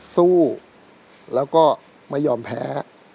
สู้แล้วก็ไม่ยอมแพ้